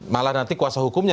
malah nanti kuasa hukumnya